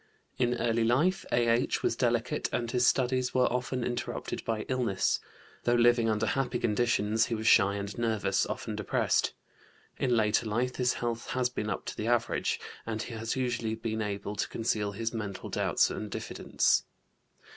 In early life A.H. was delicate and his studies were often interrupted by illness. Though living under happy conditions he was shy and nervous, often depressed. In later life his health has been up to the average, and he has usually been able to conceal his mental doubts and diffidence.